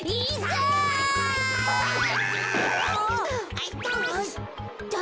あっいた。